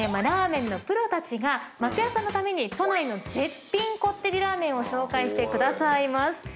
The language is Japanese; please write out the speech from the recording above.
ラーメンのプロたちが松也さんのために都内の絶品こってりラーメンを紹介してくださいます。